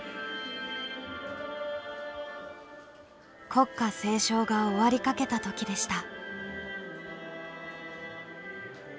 国歌斉唱が終わりかけた時でした。